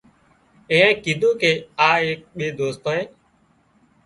اينانئي ڪيڌون ڪي آ ٻي دوستانئي